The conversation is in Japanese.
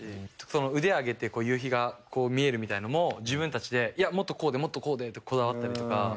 その腕上げて夕日が見えるみたいのも自分たちでいやもっとこうでもっとこうで！ってこだわったりとか。